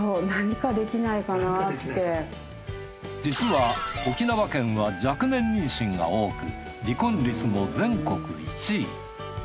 実は沖縄県は若年妊娠が多く離婚率も全国１位。